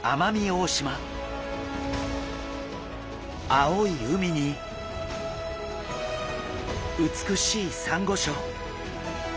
青い海に美しいサンゴ礁。